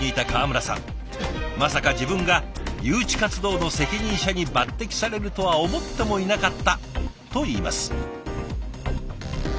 まさか自分が誘致活動の責任者に抜てきされるとは思ってもいなかったと言います。